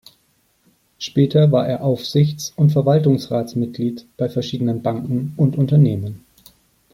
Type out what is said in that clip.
Später war er Aufsichts- und Verwaltungsratsmitglied bei verschiedenen Banken und Unternehmen.